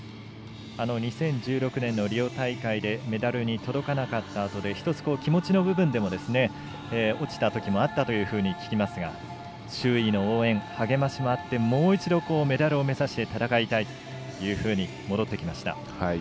２０１６年のリオ大会でメダルに届かなかったあとで１つ気持ちの部分でも落ちたときもあったと聞きますが周囲の応援、励ましもあってもう一度メダルを目指して戦いたいというふうに戻ってきました。